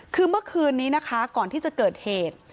คือเมื่อคืนนี้นะคะก่อนที่จะเกิดเหตุ